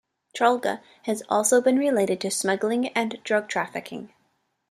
Chalga has also been related to smuggling and drug-trafficking.